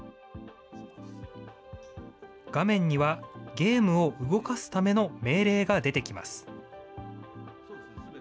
画面には、ゲームを動かすための命令が出てきます。